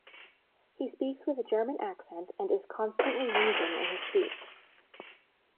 He speaks with a German accent, and is constantly wheezing in his speech.